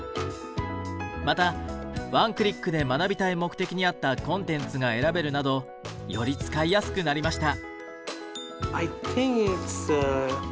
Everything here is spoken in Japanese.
またワンクリックで学びたい目的に合ったコンテンツが選べるなどより使いやすくなりました。